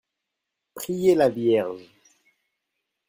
Prier la Vierge.